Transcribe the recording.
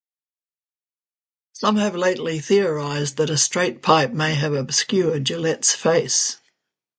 Some have lately theorized that a straight pipe may have obscured Gillette's face.